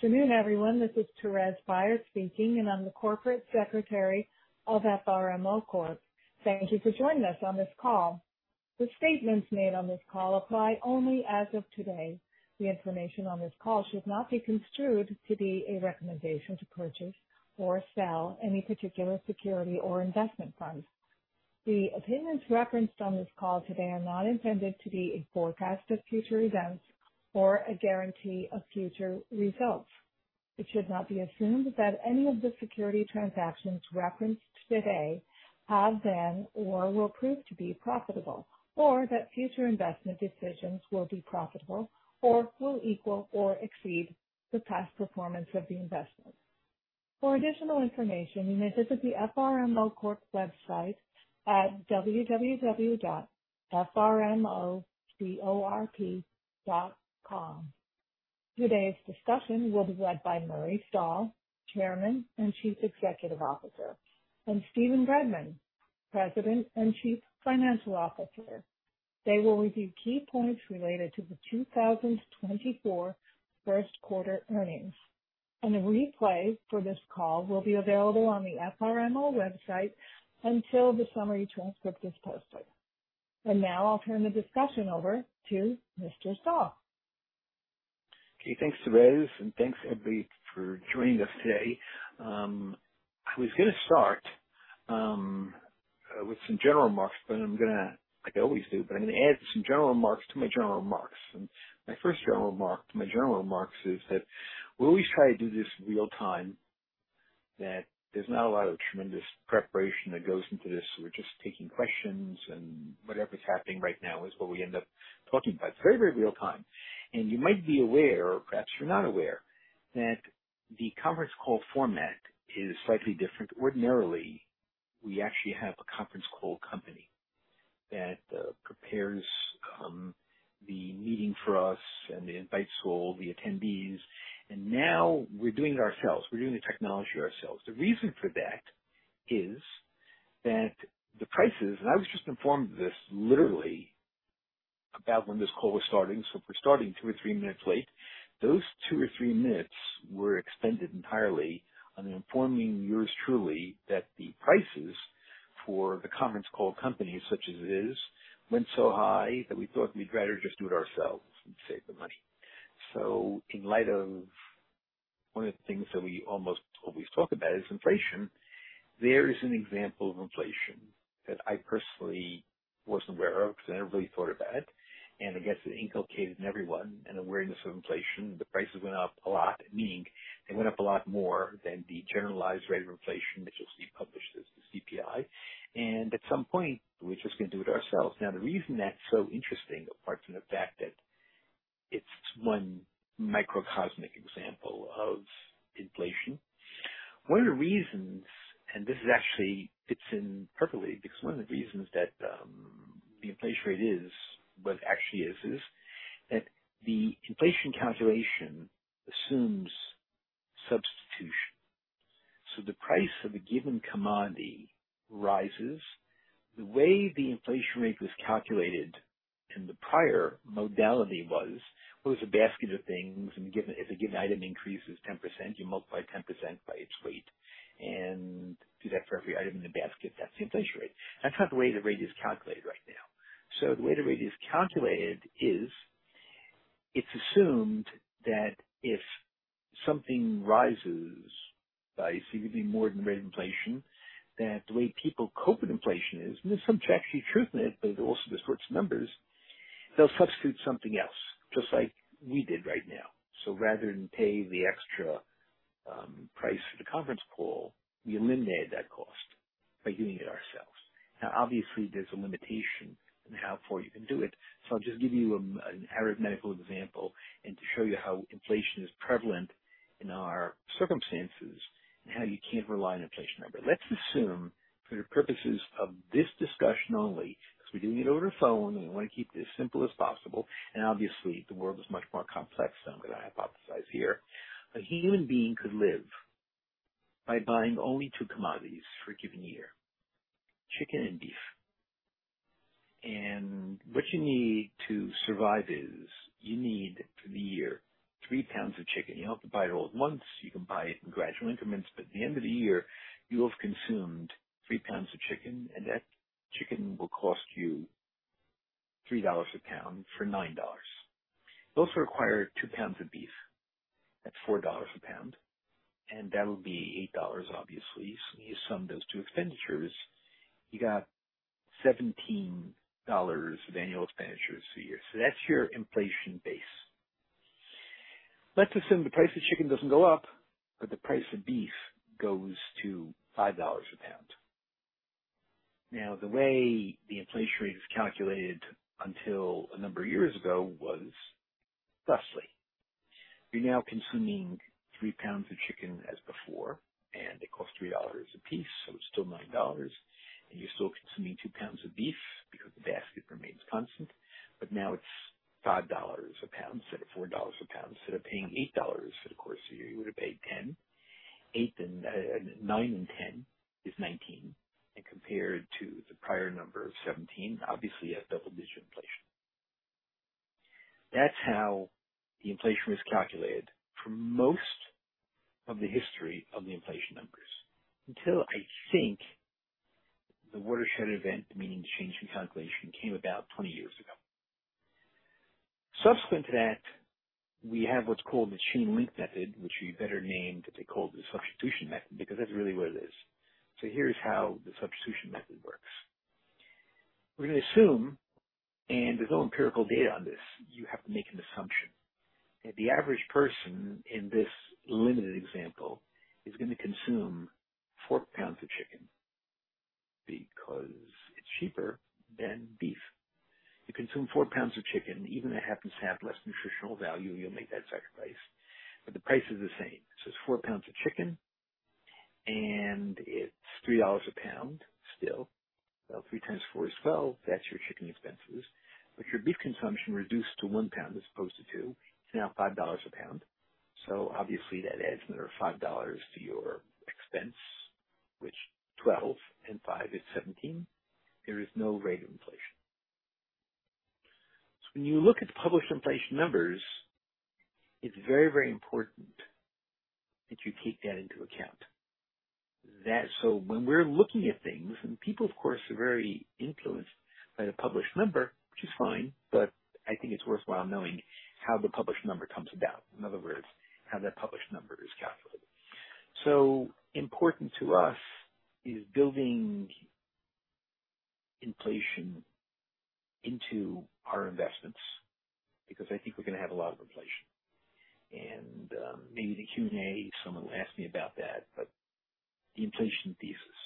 Good afternoon, everyone. This is Thérèse Byars speaking, and I'm the Corporate Secretary of FRMO Corp. Thank you for joining us on this call. The statements made on this call apply only as of today. The information on this call should not be construed to be a recommendation to purchase or sell any particular security or investment product. The opinions referenced on this call today are not intended to be a forecast of future events or a guarantee of future results. It should not be assumed that any of the security transactions referenced today have been or will prove to be profitable, or that future investment decisions will be profitable or will equal or exceed the past performance of the investment. For additional information, you may visit the FRMO Corp website at www.frmocorp.com. Today's discussion will be led by Murray Stahl, Chairman and Chief Executive Officer, and Steven Bregman, President and Chief Financial Officer. They will review key points related to the 2024 First Quarter Earnings, and a replay for this call will be available on the FRMO website until the summary transcript is posted. Now I'll turn the discussion over to Mr. Stahl. Okay, thanks, Thérèse, and thanks, everybody, for joining us today. I was gonna start with some general remarks, but I'm gonna, like I always do, but I'm gonna add some general remarks to my general remarks. My first general remark to my general remarks is that we always try to do this real time, that there's not a lot of tremendous preparation that goes into this. We're just taking questions, and whatever's happening right now is what we end up talking about. It's very, very real time, and you might be aware, or perhaps you're not aware, that the conference call format is slightly different. Ordinarily, we actually have a conference call company that prepares the meeting for us and then invites all the attendees, and now we're doing it ourselves. We're doing the technology ourselves. The reason for that is that the prices, and I was just informed of this literally about when this call was starting. So if we're starting two or three minutes late, those two or three minutes were expended entirely on informing yours truly that the prices for the conference call companies, such as it is, went so high that we thought we'd rather just do it ourselves and save the money. So in light of one of the things that we almost always talk about is inflation. There is an example of inflation that I personally wasn't aware of because I never really thought about it, and I guess it inculcated in everyone an awareness of inflation. The prices went up a lot, meaning they went up a lot more than the generalized rate of inflation, which you'll see published as the CPI. At some point, we're just gonna do it ourselves. Now, the reason that's so interesting, apart from the fact that it's one microcosmic example of inflation, one of the reasons, and this is actually fits in perfectly, because one of the reasons that, the inflation rate is what it actually is, is that the inflation calculation assumes substitution. So the price of a given commodity rises. The way the inflation rate was calculated in the prior modality was a basket of things, and, given, if a given item increases 10%, you multiply 10% by its weight and do that for every item in the basket. That's the inflation rate. That's not the way the rate is calculated right now. So the way the rate is calculated is it's assumed that if something rises by significantly more than the rate of inflation, that the way people cope with inflation is, and there's some actual truth in it, but it also distorts numbers. They'll substitute something else, just like we did right now. So rather than pay the extra price for the conference call, we eliminated that cost by doing it ourselves. Now, obviously, there's a limitation on how far you can do it. So I'll just give you an arithmetical example, and to show you how inflation is prevalent in our circumstances and how you can't rely on inflation number. Let's assume, for the purposes of this discussion only, because we're doing it over the phone, and we want to keep this simple as possible, and obviously, the world is much more complex than what I hypothesize here. A human being could live by buying only two commodities for a given year, chicken and beef. What you need to survive is you need, for the year, 3 lbs of chicken. You don't have to buy it all at once. You can buy it in gradual increments, but at the end of the year, you have consumed 3 lbs of chicken, and that chicken will cost you $3 a lb for $9. You also require 2 lbs of beef at $4 a lb, and that will be $8 obviously. So when you sum those two expenditures, you got $17 of annual expenditures a year. So that's your inflation base. Let's assume the price of chicken doesn't go up, but the price of beef goes to $5 a lb. Now, the way the inflation rate is calculated until a number of years ago was thusly: you're now consuming 3 lbs of chicken as before, and it costs $3 a piece, so it's still $9, and you're still consuming 2 lbs of beef because the basket remains constant, but now it's $5 a lb instead of $4 a lb. Instead of paying $8 for the course of the year, you would have paid $10. $8 and, $9 and $10 is $19, and compared to the prior number of $17, obviously, you have double-digit inflation. That's how the inflation was calculated for most of the history of the inflation numbers, until I think the watershed event, meaning the change in calculation, came about 20 years ago. Subsequent to that, we have what's called the chain link method, which we better named, that they called the substitution method, because that's really what it is. So here's how the substitution method works. We're gonna assume, and there's no empirical data on this, you have to make an assumption, that the average person in this limited example is gonna consume 4 lbs of chicken because it's cheaper than beef. You consume 4 lbs of chicken, even though it happens to have less nutritional value, you'll make that sacrifice, but the price is the same. So it's 4 lbs of chicken, and it's $3 a pound still. Well, 3x4 is 12. That's your chicken expenses, but your beef consumption reduced to 1 lb as opposed to 2. It's now $5 a lb, so obviously that adds another $5 to your expense, which $12 and $5 is 17. There is no rate of inflation. So when you look at the published inflation numbers, it's very, very important that you take that into account. So when we're looking at things, and people, of course, are very influenced by the published number, which is fine, but I think it's worthwhile knowing how the published number comes about. In other words, how that published number is calculated. So important to us is building inflation into our investments, because I think we're gonna have a lot of inflation. And, maybe in the Q&A, someone will ask me about that. But the inflation thesis,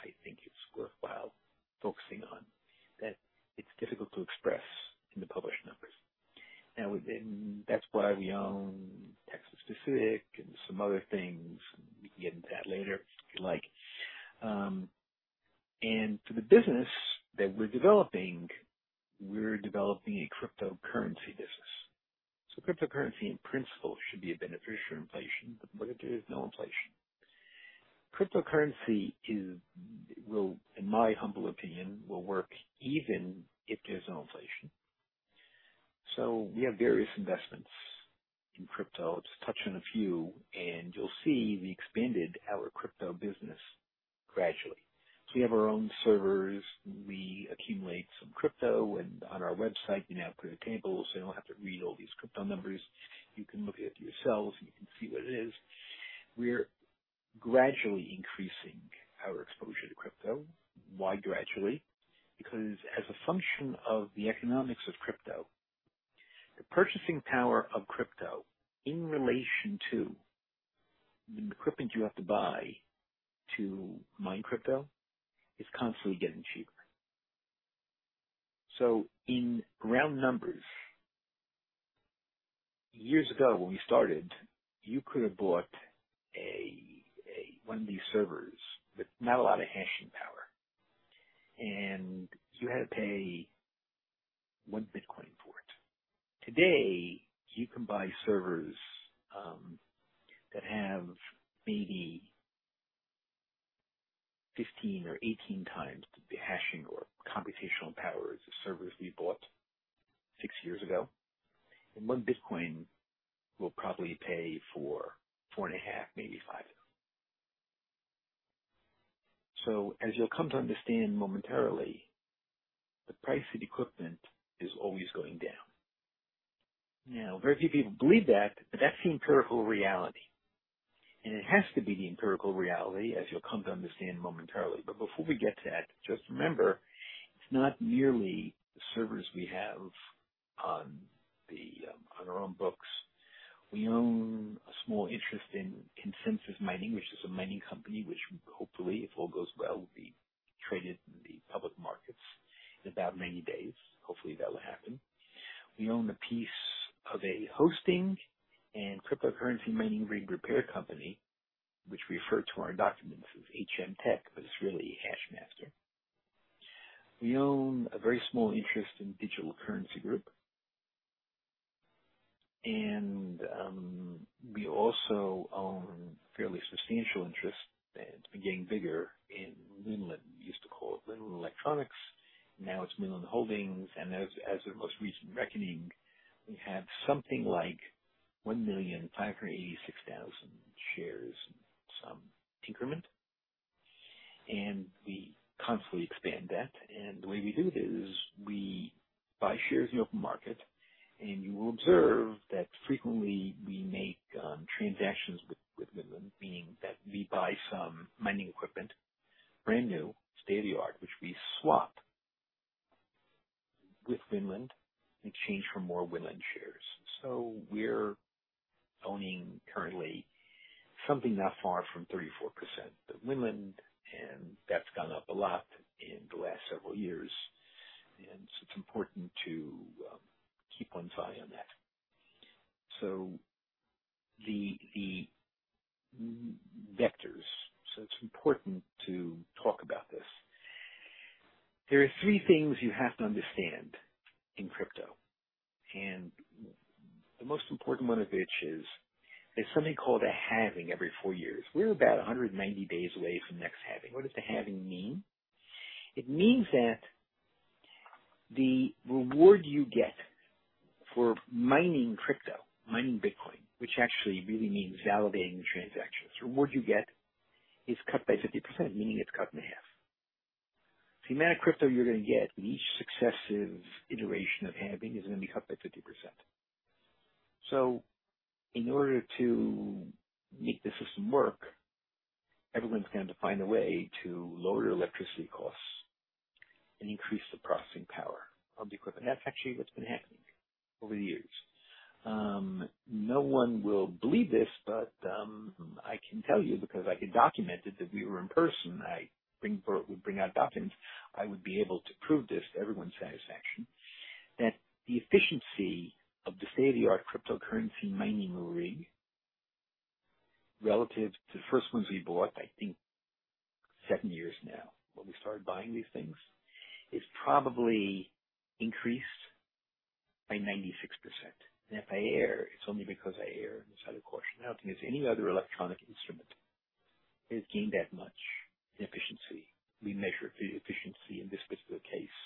I think it's worthwhile focusing on, that it's difficult to express in the published numbers. And that's why we own Texas Pacific and some other things. We can get into that later, if you like. And to the business that we're developing, we're developing a cryptocurrency business. So cryptocurrency, in principle, should be a beneficiary of inflation, but what if there is no inflation? Cryptocurrency is, will, in my humble opinion, will work even if there's no inflation. So we have various investments in crypto. Let's touch on a few, and you'll see we expanded our crypto business gradually. So we have our own servers. We accumulate some crypto, and on our website, we now put a table, so you don't have to read all these crypto numbers. You can look at it yourselves, and you can see what it is. We're gradually increasing our exposure to crypto. Why gradually? Because as a function of the economics of crypto, the purchasing power of crypto in relation to the equipment you have to buy to mine crypto, is constantly getting cheaper. So in round numbers, years ago, when we started, you could have bought one of these servers with not a lot of hashing power, and you had to pay one Bitcoin for it. Today, you can buy servers that have maybe 15 or 18 times the hashing or computational power as the servers we bought six years ago, and one Bitcoin will probably pay for four and a half, maybe five. So as you'll come to understand momentarily, the price of the equipment is always going down. Now, very few people believe that, but that's the empirical reality, and it has to be the empirical reality, as you'll come to understand momentarily. But before we get to that, just remember, it's not merely the servers we have on our own books. We own a small interest in Consensus Mining, which is a mining company, which hopefully, if all goes well, will be traded in the public markets in about 90 days. Hopefully, that will happen. We own a piece of a hosting and cryptocurrency mining rig repair company, which we refer to our documents as HM Tech, but it's really HashMaster. We own a very small interest in Digital Currency Group. And we also own fairly substantial interest and it's been getting bigger in Winland. We used to call it Winland Electronics, now it's Winland Holdings, and as of most recent reckoning, we have something like 1,586,000 shares and some increment, and we constantly expand that. The way we do it is we buy shares in the open market, and you will observe that frequently we make transactions with Winland, meaning that we buy some mining equipment, brand new, state-of-the-art, which we swap with Winland in exchange for more Winland shares. We're owning currently something not far from 34% of Winland, and that's gone up a lot in the last several years. It's important to keep one's eye on that. It's important to talk about this. There are three things you have to understand in crypto, and the most important one of which is— There's something called a halving every four years. We're about 190 days away from the next halving. What does the halving mean? It means that the reward you get for mining crypto, mining Bitcoin, which actually really means validating the transactions. The reward you get is cut by 50%, meaning it's cut in half. The amount of crypto you're gonna get in each successive iteration of halving is gonna be cut by 50%. So in order to make the system work, everyone's going to have to find a way to lower their electricity costs and increase the processing power of the equipment. That's actually what's been happening over the years. No one will believe this, but I can tell you, because I could document it, if we were in person, I would bring out documents. I would be able to prove this to everyone's satisfaction, that the efficiency of the state-of-the-art cryptocurrency mining rig, relative to the first ones we bought, I think seven years now, when we started buying these things, is probably increased by 96%. And if I err, it's only because I err on the side of caution. I don't think there's any other electronic instrument that has gained that much in efficiency. We measure efficiency in this particular case,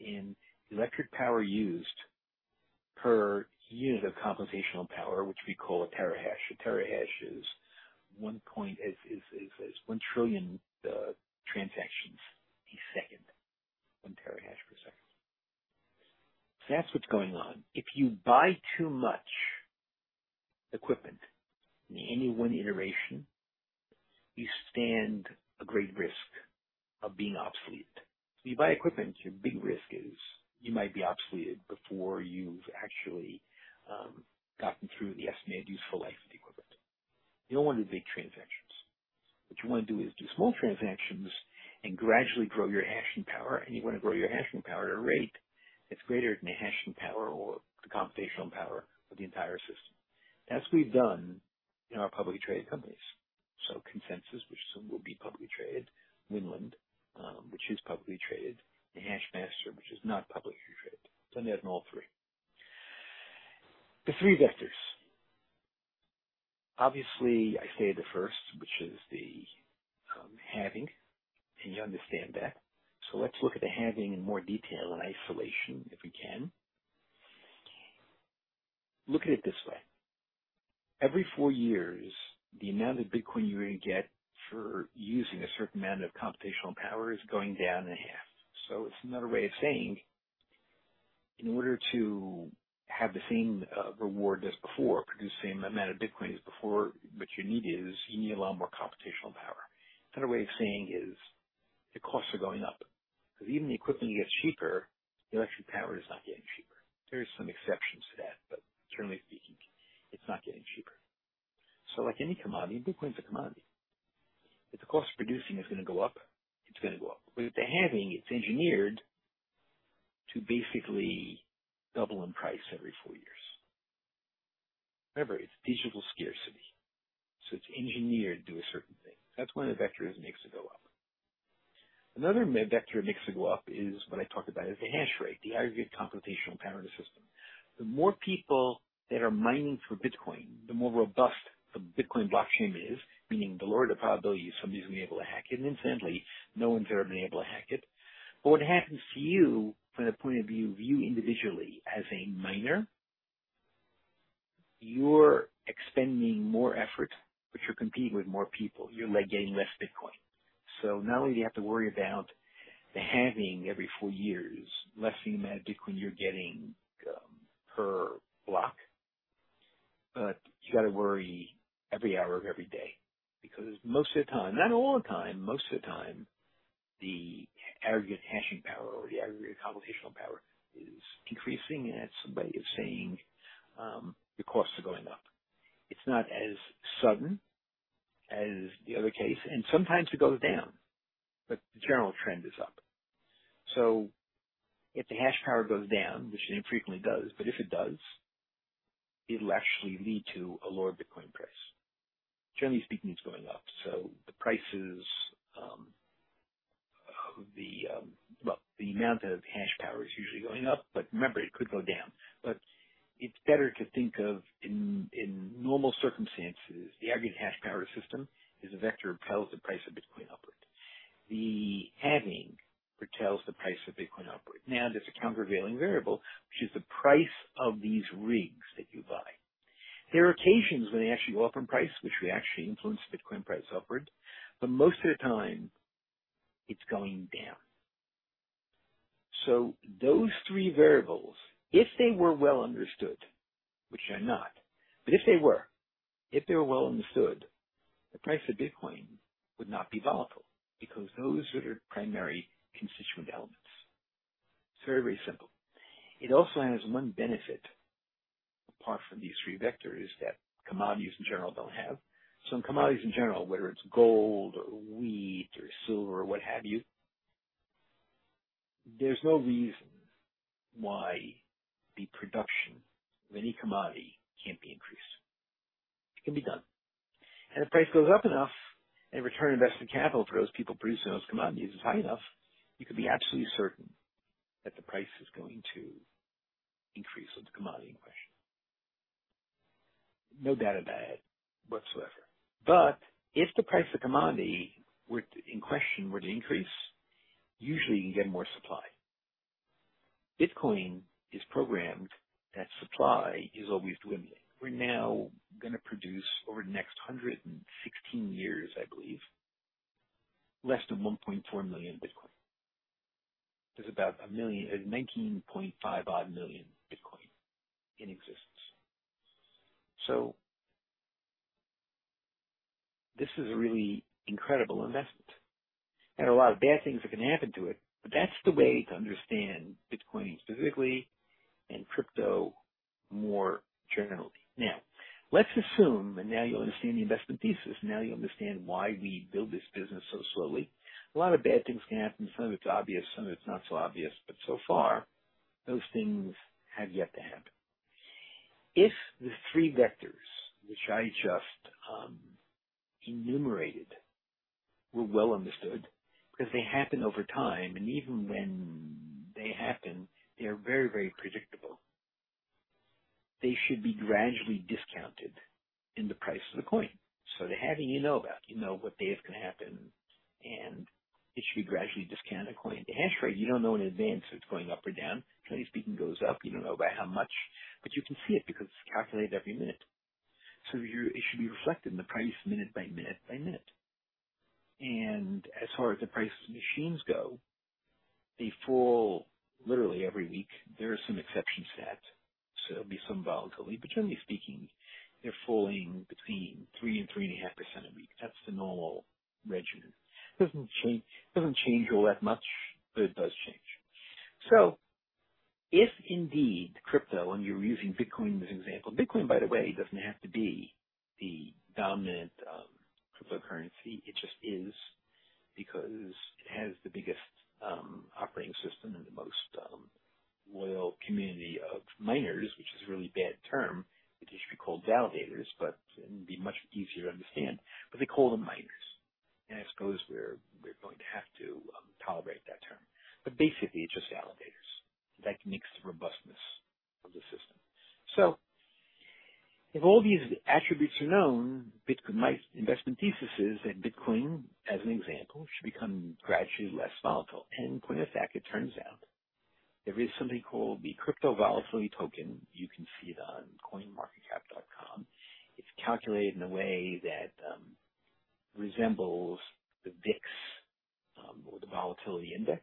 in electric power used per unit of computational power, which we call a terahash. A terahash is one trillion transactions a second. One terahash per second. So that's what's going on. If you buy too much equipment in any one iteration, you stand a great risk of being obsolete. So you buy equipment, your big risk is you might be obsoleted before you've actually gotten through the estimated useful life of the equipment. You don't want to do big transactions. What you want to do is do small transactions and gradually grow your hashing power, and you want to grow your hashing power at a rate that's greater than the hashing power or the computational power of the entire system. That's what we've done in our publicly traded companies. So Consensus, which soon will be publicly traded, Winland, which is publicly traded, and HashMaster, which is not publicly traded. Done that in all three. The three vectors. Obviously, I stated the first, which is the halving, and you understand that. So let's look at the halving in more detail, in isolation, if we can. Look at it this way, every four years, the amount of Bitcoin you're going to get for using a certain amount of computational power is going down in half. So it's another way of saying, in order to have the same, reward as before, produce the same amount of Bitcoin as before, what you need is, you need a lot more computational power. Another way of saying is the costs are going up, because even the equipment gets cheaper, the electric power is not getting cheaper. There are some exceptions to that, but generally speaking, it's not getting cheaper. So like any commodity, Bitcoin is a commodity. If the cost of producing is going to go up, it's going to go up. With the halving, it's engineered to basically double in price every four years. Remember, it's digital scarcity, so it's engineered to do a certain thing. That's one of the vectors that makes it go up. Another vector that makes it go up is what I talked about, is the hash rate, the aggregate computational power of the system. The more people that are mining for Bitcoin, the more robust the Bitcoin blockchain is, meaning the lower the probability of somebody is going to be able to hack it, and incidentally, no one's ever been able to hack it. But what happens to you from the point of view, you individually, as a miner, you're expending more effort, but you're competing with more people. You're like getting less Bitcoin. So not only do you have to worry about the halving every four years, less amount of Bitcoin you're getting per block, but you got to worry every hour of every day, because most of the time, not all the time, most of the time, the aggregate hashing power or the aggregate computational power is increasing at somebody is saying the costs are going up. It's not as sudden as the other case, and sometimes it goes down, but the general trend is up. So if the hash power goes down, which it infrequently does, but if it does, it'll actually lead to a lower Bitcoin price. Generally speaking, it's going up, so the prices... Well, the amount of hash power is usually going up, but remember, it could go down. But it's better to think of, in normal circumstances, the aggregate hash power system is a vector that propels the price of Bitcoin upward. The halving propels the price of Bitcoin upward. Now, there's a countervailing variable, which is the price of these rigs that you buy. There are occasions when they actually go up in price, which we actually influence the Bitcoin price upward, but most of the time it's going down. So those three variables, if they were well understood, which they're not, but if they were, if they were well understood, the price of Bitcoin would not be volatile, because those are the primary constituent elements. It's very, very simple. It also has one benefit, apart from these three vectors, that commodities in general don't have. Some commodities in general, whether it's gold or wheat or silver or what have you, there's no reason why the production of any commodity can't be increased. It can be done, and the price goes up enough and return on invested capital for those people producing those commodities is high enough, you can be absolutely certain that the price is going to increase on the commodity in question. No doubt about it whatsoever. But if the price of commodity were to, in question, were to increase, usually you can get more supply. Bitcoin is programmed that supply is always dwindling. We're now gonna produce over the next 116 years, I believe, less than 1.4 million Bitcoin. There's about nineteen point five odd million Bitcoin in existence. So... This is a really incredible investment, and a lot of bad things that can happen to it, but that's the way to understand Bitcoin specifically and crypto more generally. Now, let's assume, and now you understand the investment thesis, now you understand why we build this business so slowly. A lot of bad things can happen. Some of it's obvious, some of it's not so obvious, but so far, those things have yet to happen. If the three vectors, which I just enumerated, were well understood, because they happen over time, and even when they happen, they are very, very predictable. They should be gradually discounted in the price of the coin. So they're having you know about, you know, what day is gonna happen, and it should be gradually discounted according to hash rate. You don't know in advance if it's going up or down. Generally speaking goes up, you don't know by how much, but you can see it because it's calculated every minute. So it should be reflected in the price minute by minute by minute. And as far as the price of machines go, they fall literally every week. There are some exceptions to that, so there'll be some volatility, but generally speaking, they're falling between 3% and 3.5% a week. That's the normal regimen. Doesn't change, doesn't change all that much, but it does change. So if indeed crypto, and you're using Bitcoin as an example, Bitcoin, by the way, doesn't have to be the dominant cryptocurrency. It just is because it has the biggest operating system and the most loyal community of miners, which is a really bad term. It should be called validators, but it would be much easier to understand. But they call them miners, and I suppose we're going to have to tolerate that term. But basically, it's just validators. That makes the robustness of the system. So if all these attributes are known, Bitcoin, my investment thesis is that Bitcoin, as an example, should become gradually less volatile. And point of fact, it turns out there is something called the Crypto Volatility Token. You can see it on CoinMarketCap.com. It's calculated in a way that resembles the VIX, or the Volatility Index,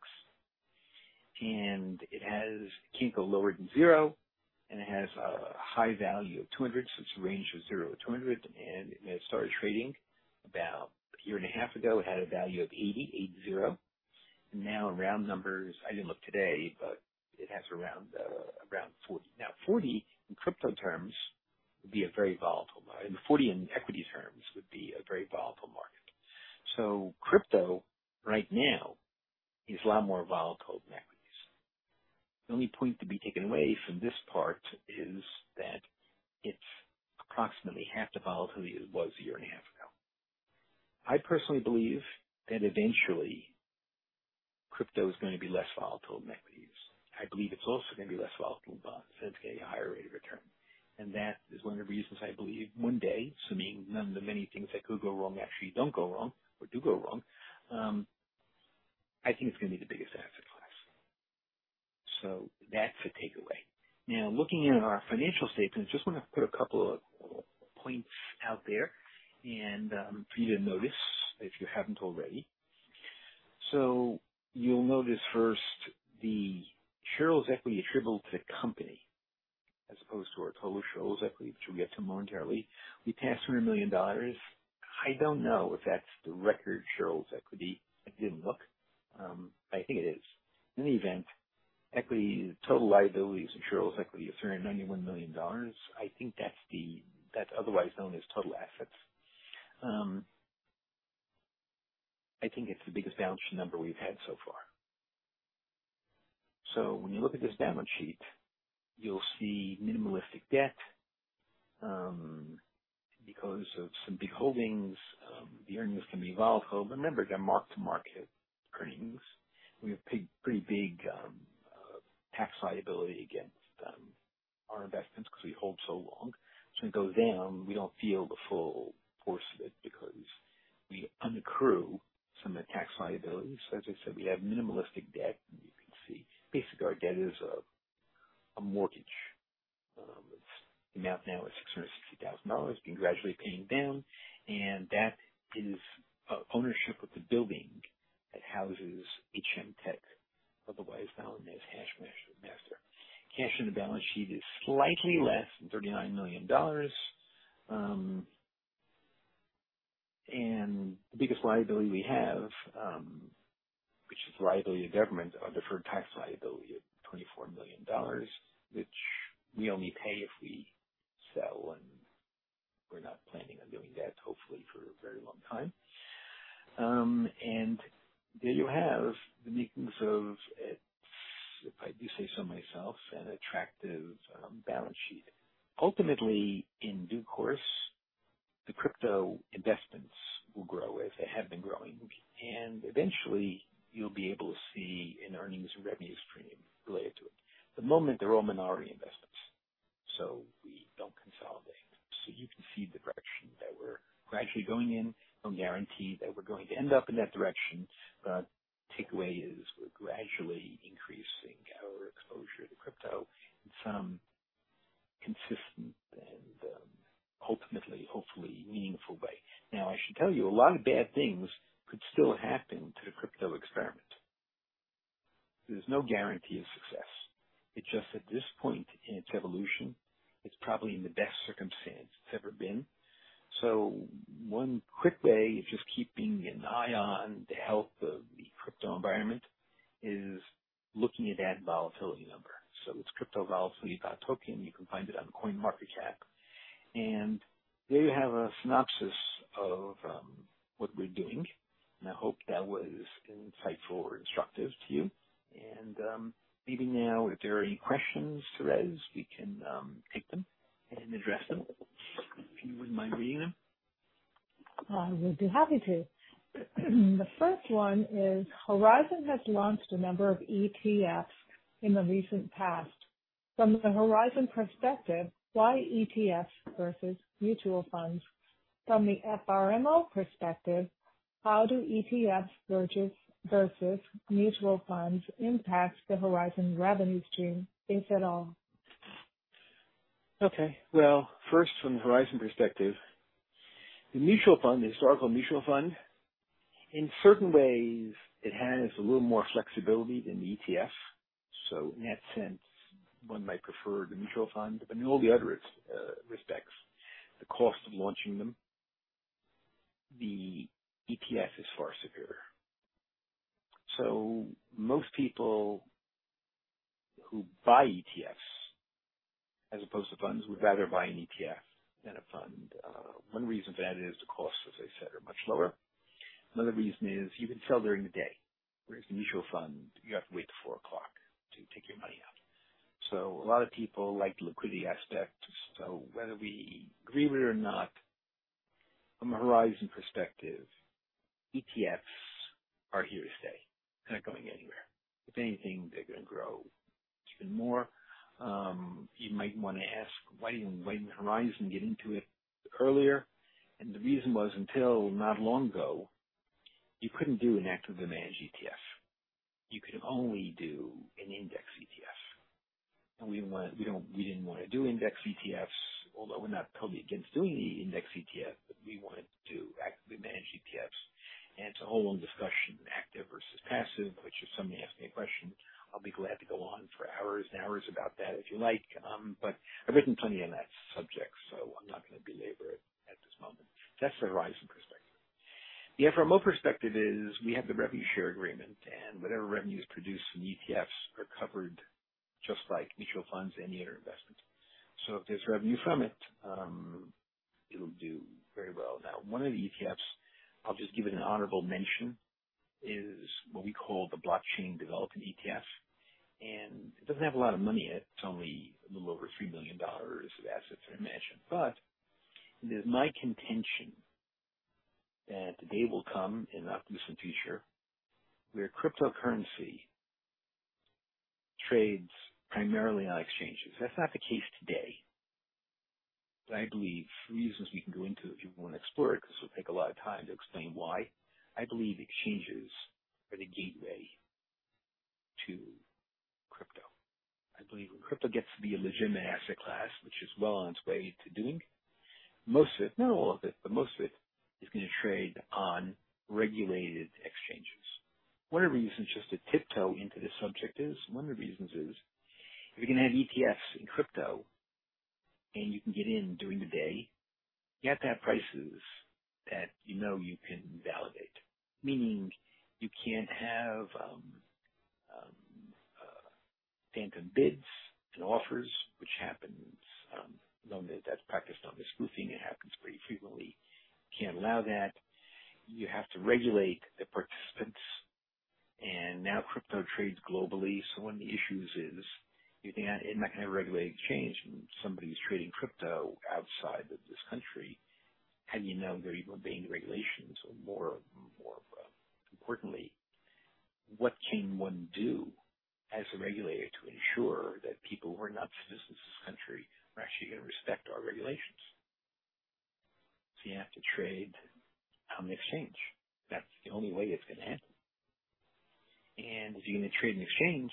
and it can go lower than zero, and it has a high value of 200, so it's a range of 0-200, and it started trading about a year and a half ago. It had a value of 80. Now, in round numbers, I didn't look today, but it has around 40. Now, 40 in crypto terms would be a very volatile market, and 40 in equity terms would be a very volatile market. So crypto right now is a lot more volatile than equities. The only point to be taken away from this part is that it's approximately half the volatility it was a year and a half ago. I personally believe that eventually crypto is going to be less volatile than equities. I believe it's also going to be less volatile, but since getting a higher rate of return, and that is one of the reasons I believe one day, assuming none of the many things that could go wrong, actually don't go wrong or do go wrong, I think it's going to be the biggest asset class. So that's the takeaway. Now, looking at our financial statements, just want to put a couple of points out there and, for you to notice if you haven't already. So you'll notice first, the shareholders' equity attributable to the company, as opposed to our total shareholders' equity, which we'll get to momentarily. We passed $3 million. I don't know if that's the record shareholders' equity. I didn't look. I think it is. In any event, equity, total liabilities, and shareholders' equity is $391 million. I think that's... that's otherwise known as total assets. I think it's the biggest balance sheet number we've had so far. So when you look at this balance sheet, you'll see minimalistic debt, because of some big holdings. The earnings can be volatile, but remember, they're mark-to-market earnings. We have big, pretty big, tax liability against our investments because we hold so long. So when it goes down, we don't feel the full force of it because we unaccrued some of the tax liability. So as I said, we have minimalistic debt, and you can see basically our debt is a, a mortgage. Its amount now is $660,000, been gradually paying down, and that is ownership of the building that houses HM Tech, otherwise known as HashMaster. Cash on the balance sheet is slightly less than $39 million. And the biggest liability we have, which is liability to government, a deferred tax liability of $24 million, which we only pay if we sell, and we're not planning on doing that, hopefully for a very long time. And there you have the makings of, if I do say so myself, an attractive balance sheet. Ultimately, in due course, the crypto investments will grow, as they have been growing, and eventually you'll be able to see an earnings and revenue stream related to it. At the moment, they're all minority investments, so we don't consolidate. So you can see the direction that we're gradually going in. No guarantee that we're going to end up in that direction, but takeaway is we're gradually increasing our exposure to crypto in some consistent and, ultimately, hopefully meaningful way. Now, I should tell you, a lot of bad things could still happen to the crypto experiment. There's no guarantee of success. It's just at this point in its evolution, it's probably in the best circumstance it's ever been. So one quick way of just keeping an eye on the health of the crypto environment is looking at that volatility number. So it's Crypto Volatility Token. You can find it on CoinMarketCap, and there you have a synopsis of what we're doing, and I hope that was insightful or instructive to you. And maybe now, if there are any questions, Thérèse, we can take them and address them. If you wouldn't mind reading them. I would be happy to. The first one is: Horizon has launched a number of ETFs in the recent past. From the Horizon perspective, why ETFs versus mutual funds? From the FRMO perspective, how do ETF purchase versus mutual funds impact the Horizon revenue stream, if at all? Okay. Well, first, from the Horizon perspective, the mutual fund, the historical mutual fund, in certain ways, it has a little more flexibility than the ETF. So in that sense, one might prefer the mutual fund. But in all the other its, respects, the cost of launching them, the ETF is far superior. So most people who buy ETFs as opposed to funds, would rather buy an ETF than a fund. One reason for that is the costs, as I said, are much lower. Another reason is you can sell during the day, whereas the mutual fund, you have to wait till four o'clock to take your money out. So a lot of people like the liquidity aspect. So whether we agree with it or not, from a Horizon perspective, ETFs are here to stay. They're not going anywhere. If anything, they're going to grow even more. You might want to ask: Why didn't Horizon get into it earlier? And the reason was, until not long ago, you couldn't do an actively managed ETF. You could only do an index ETF. And we don't, we didn't want to do index ETFs, although we're not totally against doing the index ETF, but we wanted to actively manage ETFs. And it's a whole long discussion, active versus passive, which if somebody asks me a question, I'll be glad to go on for hours and hours about that, if you like. But I've written plenty on that subject, so I'm not going to belabor it at this moment. That's the Horizon perspective. The FRMO perspective is we have the revenue share agreement, and whatever revenue is produced from ETFs are covered, just like mutual funds and any other investment. So if there's revenue from it, it'll do very well. Now, one of the ETFs, I'll just give it an honorable mention, is what we call the Blockchain Development ETF, and it doesn't have a lot of money yet. It's only a little over $3 million of assets are managed. But it is my contention that the day will come in the not-too-distant future, where cryptocurrency trades primarily on exchanges. That's not the case today, but I believe for reasons we can go into, if you want to explore it, because it'll take a lot of time to explain why. I believe exchanges are the gateway to crypto. I believe when crypto gets to be a legitimate asset class, which is well on its way to doing, most of it, not all of it, but most of it, is going to trade on regulated exchanges. One of the reasons, just to tiptoe into this subject is, one of the reasons is, if you're going to have ETFs in crypto and you can get in during the day, you have to have prices that you know you can validate. Meaning you can't have, phantom bids and offers, which happens, known that that's practiced on the spoofing. It happens pretty frequently. You can't allow that. You have to regulate the participants. And now crypto trades globally, so one of the issues is you think you're not going to have a regulated exchange when somebody's trading crypto outside of this country. How do you know they're even obeying the regulations? Or more importantly, what can one do as a regulator to ensure that people who are not citizens of this country are actually going to respect our regulations? So you have to trade on the exchange. That's the only way it's going to happen. And if you're going to trade an exchange,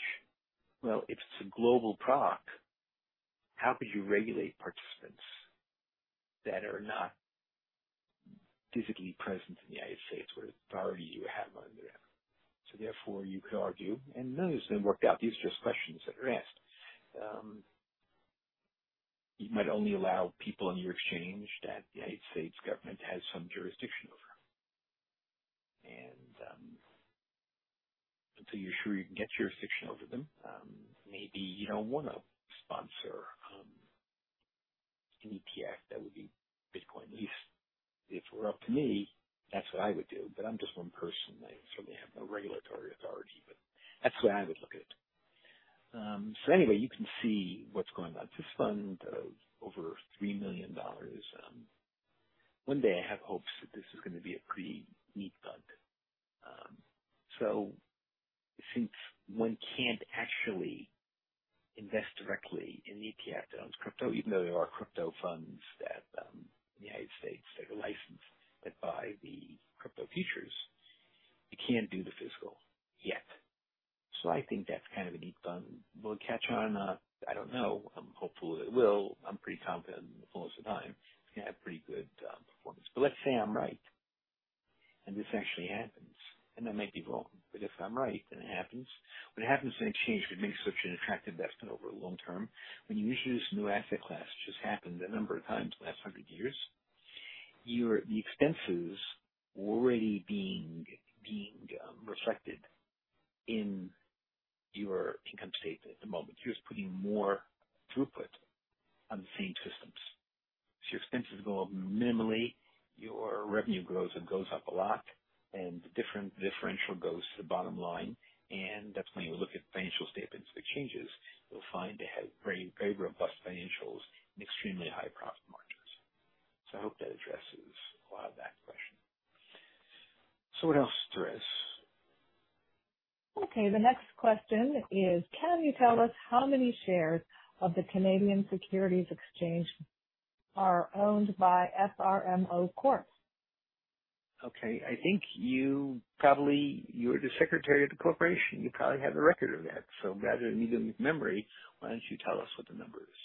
well, if it's a global product, how could you regulate participants that are not physically present in the United States, where the authority you have under them? So therefore, you could argue, and none of this has been worked out, these are just questions that are asked. You might only allow people on your exchange that the United States government has some jurisdiction over. And until you're sure you can get jurisdiction over them, maybe you don't want to sponsor an ETF that would be Bitcoin. At least if it were up to me, that's what I would do. But I'm just one person. I certainly have no regulatory authority, but that's the way I would look at it. So anyway, you can see what's going on. This fund, over $3 million. One day I have hopes that this is going to be a pretty neat fund. So since one can't actually invest directly in the ETF that owns crypto, even though there are crypto funds that in the United States that are licensed, that buy the crypto futures, you can't do the physical yet. So I think that's kind of a neat fund. Will it catch on? I don't know. I'm hopeful that it will. I'm pretty confident that most of the time it's gonna have pretty good performance. But let's say I'm right and this actually happens, and I might be wrong, but if I'm right and it happens, what happens when a change would make such an attractive investment over the long term? When you introduce a new asset class, which has happened a number of times in the last hundred years, your... the expenses already being reflected in your income statement at the moment. You're just putting more throughput on the same systems. So your expenses go up minimally, your revenue grows and goes up a lot, and the differential goes to the bottom line. And that's when you look at the financial statements of the changes, you'll find they have very, very robust financials and extremely high profit margins. So I hope that addresses a lot of that question. So what else is there? Okay. The next question is: Can you tell us how many shares of the Canadian Securities Exchange are owned by FRMO Corp.? Okay. I think you probably... You're the secretary of the corporation. You probably have the record of that. So rather than me give you memory, why don't you tell us what the number is?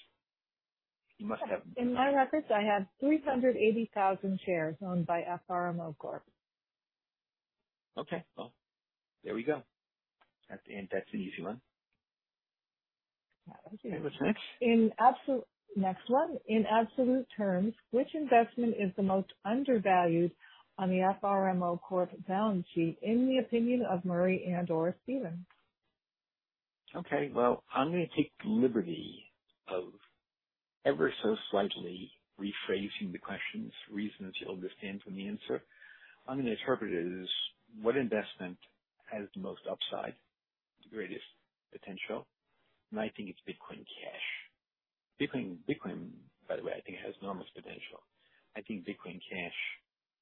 You must have- In my records, I have 380,000 shares owned by FRMO Corp. Okay. Well, there we go. That's an, that's an easy one. Okay, what's next? Next one. In absolute terms, which investment is the most undervalued on the FRMO Corp balance sheet, in the opinion of Murray and/or Steven? Okay, well, I'm gonna take the liberty of ever so slightly rephrasing the question for reasons you'll understand from the answer. I'm gonna interpret it as what investment has the most upside, the greatest potential, and I think it's Bitcoin Cash. Bitcoin, Bitcoin, by the way, I think has enormous potential. I think Bitcoin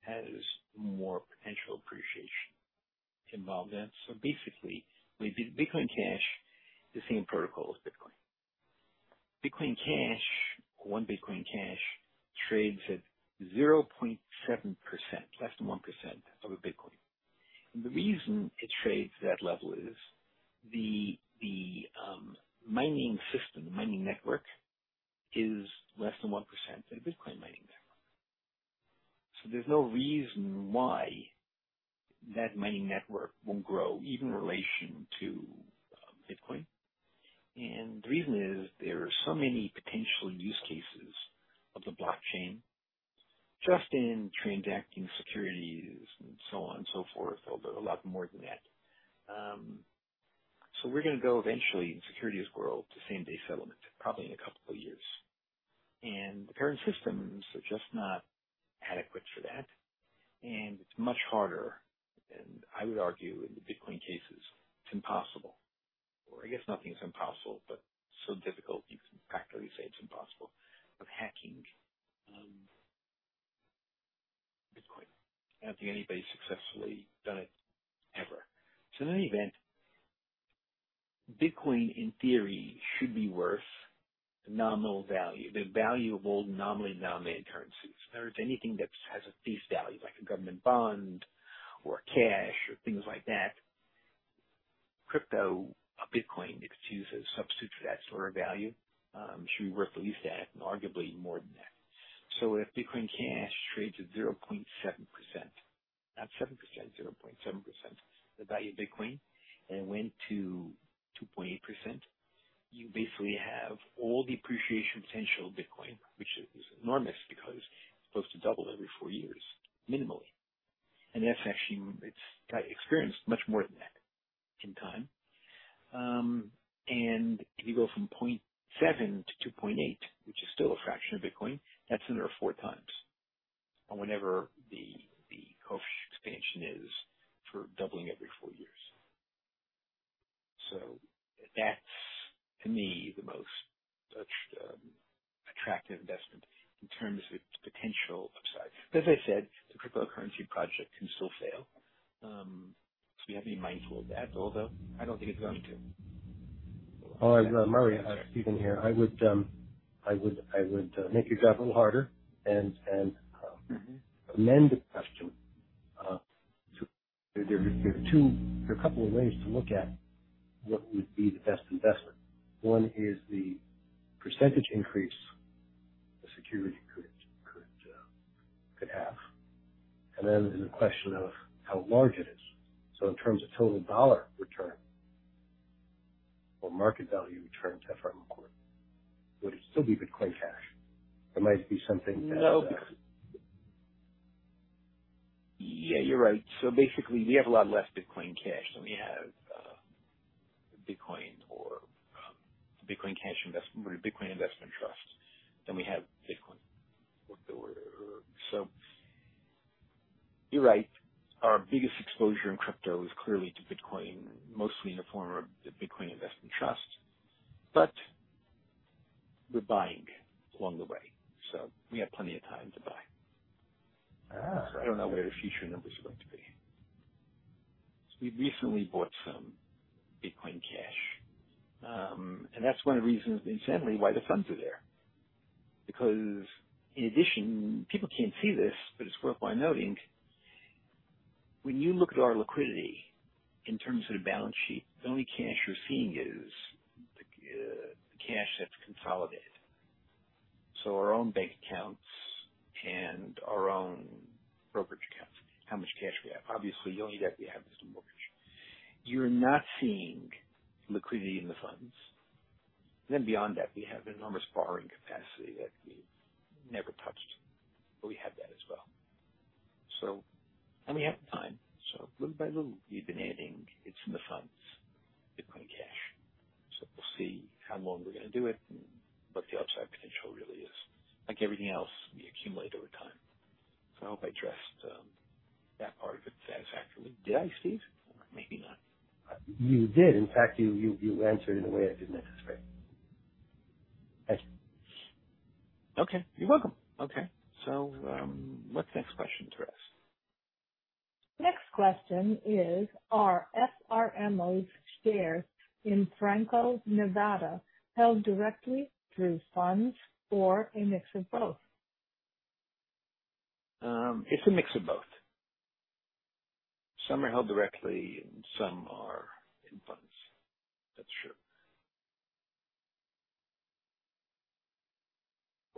Cash has more potential appreciation involved in it. So basically, with Bitcoin Cash, the same protocol as Bitcoin. Bitcoin Cash, one Bitcoin Cash trades at 0.7%, less than 1% of a Bitcoin. And the reason it trades that level is the mining system, the mining network, is less than 1% of the Bitcoin mining network. So there's no reason why that mining network won't grow, even in relation to Bitcoin. The reason is there are so many potential use cases of the blockchain, just in transacting securities and so on and so forth, although a lot more than that. We're gonna go eventually in the securities world, to same-day settlement, probably in a couple of years. The current systems are just not adequate for that, and it's much harder. I would argue in the Bitcoin cases, it's impossible. I guess nothing's impossible, but so difficult, you can practically say it's impossible of hacking, Bitcoin. I don't think anybody's successfully done it, ever. In any event, Bitcoin, in theory, should be worth a nominal value. They're valuable, nominally nominated currencies. In other words, anything that has a face value, like a government bond or cash or things like that, crypto or Bitcoin, could be used as a substitute for that sort of value. It should be worth at least that, and arguably more than that. So if Bitcoin Cash trades at 0.7%, not 7%, 0.7% the value of Bitcoin, and it went to 2.8%, you basically have all the appreciation potential of Bitcoin, which is enormous because it's supposed to double every four years, minimally. And that's actually, it's experienced much more than that in time. And if you go from 0.7%-2.8%, which is still a fraction of Bitcoin, that's another 4x, or whatever the, the growth expansion is for doubling every four years. So that's, to me, the most, attractive investment in terms of its potential upside. But as I said, the cryptocurrency project can still fail. So, we have to be mindful of that, although I don't think it's going to. Oh, Murray, Steven here, I would make your job a little harder and, Mm-hmm. Amend the question to... There are a couple of ways to look at what would be the best investment. One is the percentage increase the security could have, and then there's the question of how large it is. So in terms of total dollar return or market value return to FRMO Corp, would it still be Bitcoin Cash? It might be something that- ...Yeah, you're right. So basically, we have a lot less Bitcoin Cash than we have, Bitcoin or, Bitcoin Cash Investment or Bitcoin Investment Trust, than we have Bitcoin. So you're right. Our biggest exposure in crypto is clearly to Bitcoin, mostly in the form of the Bitcoin Investment Trust, but we're buying along the way, so we have plenty of time to buy. Ah. I don't know what our future numbers are going to be. So we recently bought some Bitcoin Cash. And that's one of the reasons, incidentally, why the funds are there, because in addition, people can't see this, but it's worthwhile noting. When you look at our liquidity in terms of the balance sheet, the only cash you're seeing is the cash that's consolidated. So our own bank accounts and our own brokerage accounts, how much cash we have. Obviously, the only debt we have is the mortgage. You're not seeing liquidity in the funds. Then beyond that, we have enormous borrowing capacity that we never touched, but we have that as well. So... And we have time. So little by little, we've been adding, it's in the funds, Bitcoin Cash. So we'll see how long we're going to do it, but the upside potential really is like everything else. We accumulate over time. So I hope I addressed that part of it satisfactorily. Did I, Steve? Maybe not. You did. In fact, you answered in a way I didn't expect. Thanks. Okay. You're welcome. Okay, so, what's the next question to ask? Next question is: Are FRMO's shares in Franco-Nevada held directly through funds or a mix of both? It's a mix of both. Some are held directly and some are in funds. That's true.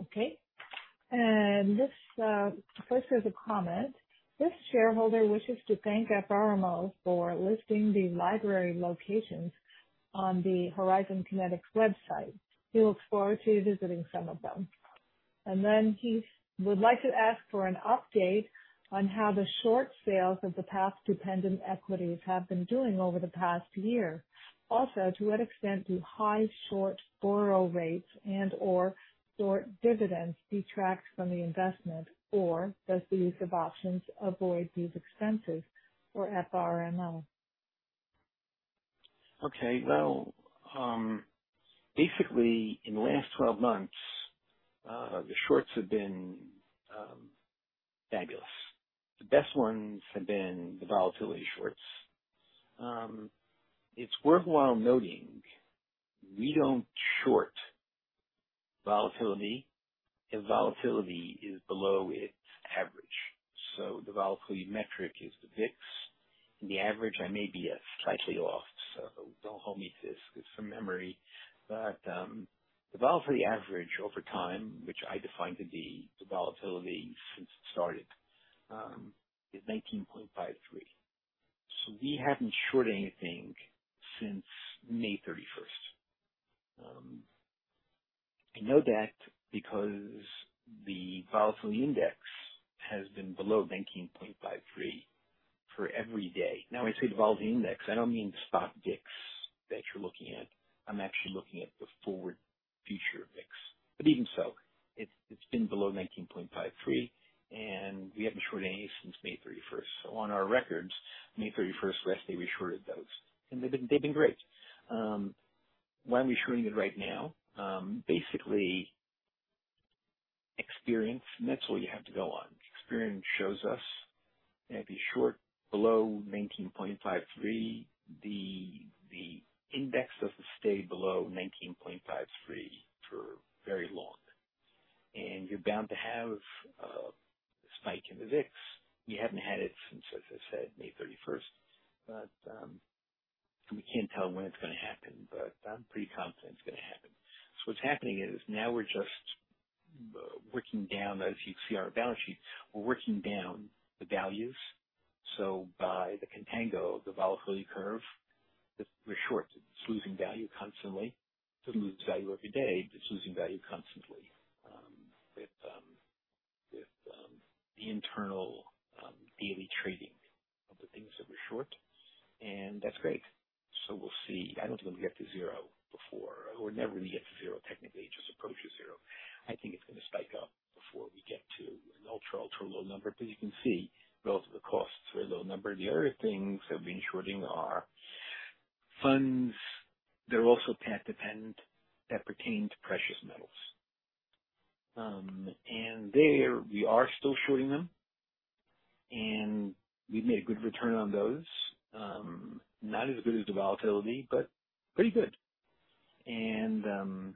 Okay. And this first, there's a comment. This shareholder wishes to thank FRMO for listing the library locations on the Horizon Kinetics website. He looks forward to visiting some of them. And then he would like to ask for an update on how the short sales of the path-dependent equities have been doing over the past year. Also, to what extent do high short borrow rates and/or short dividends detract from the investment? Or does the use of options avoid these expenses for FRMO? Okay, well, basically in the last 12 months, the shorts have been fabulous. The best ones have been the volatility shorts. It's worthwhile noting we don't short volatility if volatility is below its average, so the volatility metric is the VIX and the average, I may be slightly off, so don't hold me to this. It's from memory, but the volatility average over time, which I define to be the volatility since it started, is 19.53%. So we haven't shorted anything since May 31st. I know that because the Volatility Index has been below 19.53% for every day. Now, when I say the Volatility Index, I don't mean the spot VIX that you're looking at. I'm actually looking at the forward future VIX. But even so, it's, it's been below 19.53%, and we haven't shorted any since May 31st. So on our records, May 31st, last day we shorted those and they've been, they've been great. Why are we shorting it right now? Basically experience, and that's what you have to go on. Experience shows us if you short below 19.53%, the, the index doesn't stay below 19.53% for very long, and you're bound to have a spike in the VIX. We haven't had it since, as I said, May 31st. But, we can't tell when it's going to happen, but I'm pretty confident it's going to happen. So what's happening is now we're just working down. As you can see, our balance sheet, we're working down the values. So by the contango, the volatility curve, we're short, it's losing value constantly. It doesn't lose value every day, but it's losing value constantly, with the internal daily trading of the things that we're short, and that's great. So we'll see. I don't think we'll get to zero before... We'll never really get to zero, technically, just approach it zero. I think it's going to spike up before we get to an ultra, ultra low number. But you can see relative to costs, we're a low number. The other things that we've been shorting are funds that are also path-dependent, that pertain to precious metals. And there we are still shorting them, and we've made a good return on those. Not as good as the volatility, but pretty good. Even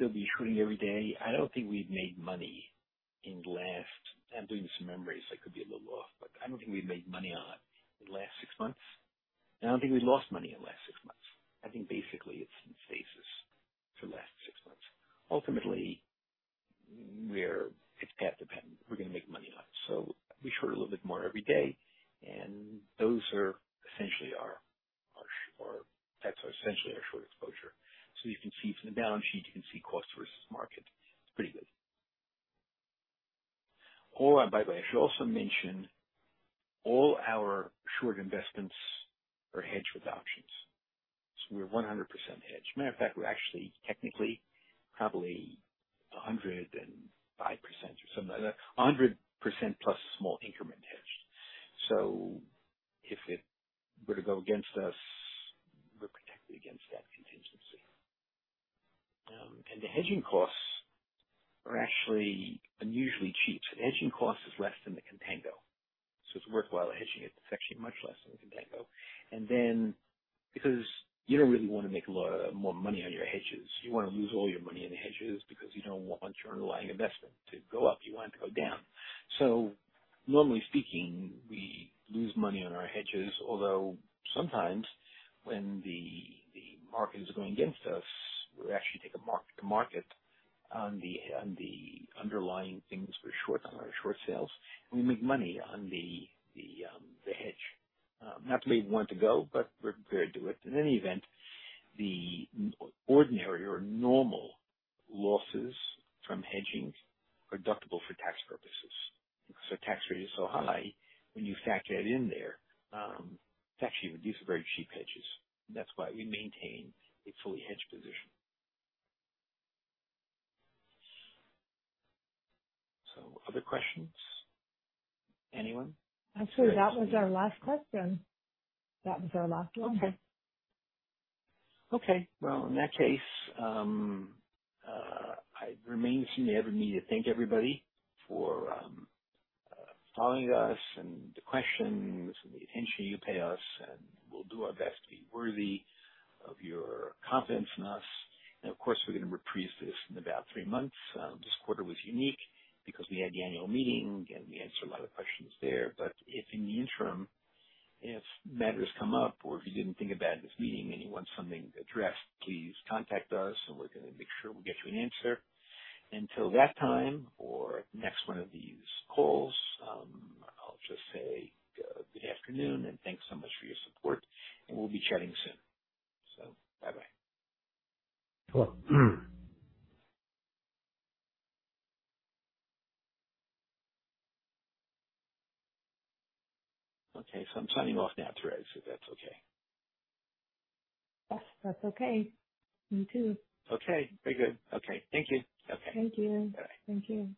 though we shorting every day, I don't think we've made money in the last... I'm doing this from memory, so I could be a little off, but I don't think we've made money on it in the last six months, and I don't think we've lost money in the last six months. I think basically it's in stasis for the last six months. Ultimately, it's path dependent. We're going to make money on it, so we short a little bit more every day, and those are essentially our short exposure. So you can see from the balance sheet, you can see cost versus market. It's pretty good. Oh, and by the way, I should also mention all our short investments are hedged with options. So we're 100% hedged. Matter of fact, we're actually technically probably 105% or something like that. 100%+ small increment hedged. So if it were to go against us, we're protected against that contingency. And the hedging costs are actually unusually cheap. So the hedging cost is less than the contango, so it's worthwhile hedging it. It's actually much less than the contango. And then, because you don't really want to make a lot of more money on your hedges, you want to lose all your money on the hedges because you don't want your underlying investment to go up, you want it to go down. So normally speaking, we lose money on our hedges. Although sometimes when the market is going against us, we actually take a mark-to-market on the underlying things for short on our short sales, and we make money on the hedge. Not the way we want it to go, but we're prepared to do it. In any event, the ordinary or normal losses from hedging are deductible for tax purposes. So tax rate is so high, when you factor that in there, it's actually these are very cheap hedges. That's why we maintain a fully hedged position. So other questions? Anyone? Actually, that was our last question. That was our last one. Okay. Okay, well, in that case, I remain seem to have a need to thank everybody for following us and the questions and the attention you pay us, and we'll do our best to be worthy of your confidence in us. Of course, we're going to reprise this in about three months. This quarter was unique because we had the annual meeting, and we answered a lot of questions there. But if in the interim, if matters come up or if you didn't think about this meeting and you want something addressed, please contact us and we're going to make sure we get you an answer. Until that time or next one of these calls, I'll just say good afternoon and thanks so much for your support and we'll be chatting soon. So bye-bye. Cool. Okay, so I'm signing off now, Thérèse, if that's okay. Yes, that's okay. Me too. Okay, very good. Okay. Thank you. Okay. Thank you. Bye-bye. Thank you.